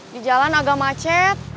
di jalan agak macet